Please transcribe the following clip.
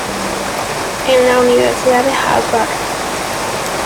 En la Universidad de Harvard.